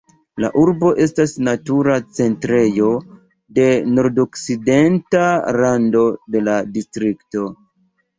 La urbo estas natura centrejo de nordokcidenta rando de la distrikto.